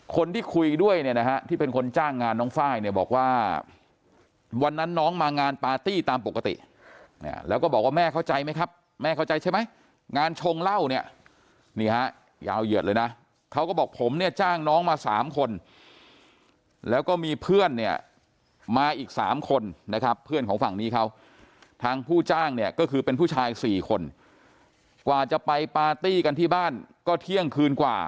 คนที่คุยด้วยเนี่ยนะฮะที่เป็นคนจ้างงานน้องไฟล์เนี่ยบอกว่าวันนั้นน้องมางานปาร์ตี้ตามปกติแล้วก็บอกว่าแม่เข้าใจไหมครับแม่เข้าใจใช่ไหมงานชงเหล้าเนี่ยนี่ฮะยาวเหยียดเลยนะเขาก็บอกผมเนี่ยจ้างน้องมา๓คนแล้วก็มีเพื่อนเนี่ยมาอีก๓คนนะครับเพื่อนของฝั่งนี้เขาทางผู้จ้างเนี่ยก็คือเป็นผู้ชาย๔คนกว่าจะไปปาร์ตี้กันที่บ้านก็เที่ยงคืนกว่า